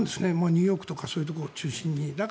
ニューヨークとかそういうところ中心に。